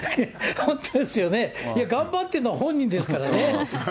本当ですよね。頑張ってるのは本人ですからね。